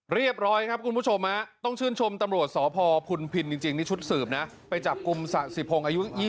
เรียบร้อยครับคุณผู้ชมต้องชื่นชมตำรวจสพพุนพินจริงนี่ชุดสืบนะไปจับกลุ่มสะสิพงศ์อายุ๒๐